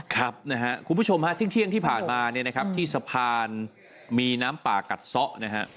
ครับนะฮะคุณผู้ชมฮะที่เที่ยงที่ผ่านมาเนี่ยนะครับที่สะพานมีน้ำป่ากัดซะนะฮะ